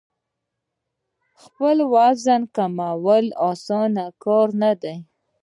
خپل وزن کمول اسانه کار نه دی.